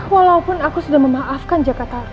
walaupun aku sudah memaafkan jakarta